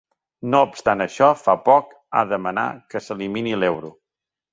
No obstant això, fa poc ha demanar que s'elimini l'euro.